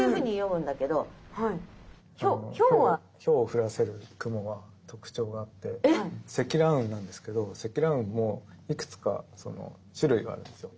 雹を降らせる雲は特徴があって積乱雲なんですけど積乱雲もいくつか種類があるんですよ。